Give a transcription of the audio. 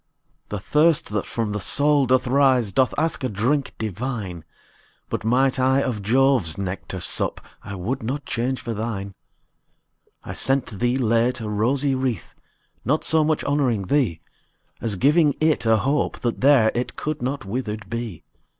The thirst that from the soul doth rise, Doth ask a drink divine: But might I of Jove's nectar sup, I would not change for thine. I sent thee, late, a rosy wreath, Not so much honouring thee, As giving it a hope, that there It could not withered be.